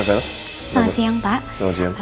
selamat siang pak